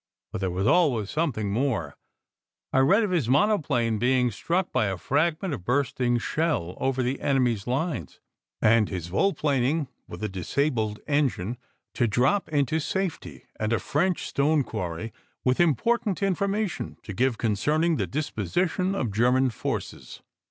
But there was always something more. I read of his monoplane being struck by a fragment of burst ing shell over the enemy s lines, and his volplaning with a disabled engine, to drop into safety and a French stone quarry with important information to give concerning the disposition of German forces.